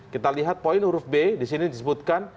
kita lihat poin huruf b di sini disebutkan